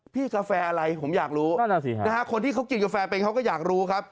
พี่กาแฟอะไรผมอยากรู้คนที่เค้ากินกาแฟเป็นเค้าก็อยากรู้ครับ